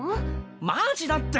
マジだって。